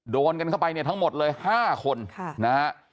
โดนกันเข้าไปเนี่ยทั้งหมดเลย๕คนนะฮะ